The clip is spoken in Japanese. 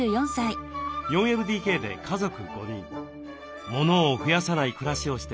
４ＬＤＫで家族５人モノを増やさない暮らしをしています。